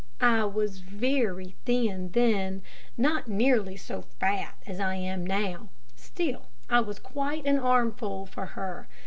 I was very thin then, not nearly so fat as I am now, still I was quite an armful for her.